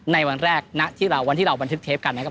ในวันแรกณที่เราวันที่เราบันทึกเทปกันนะครับ